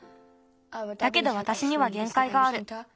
だけどわたしにはげんかいがある。